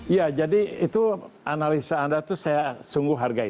ya jadi itu analisa anda itu saya sungguh hargai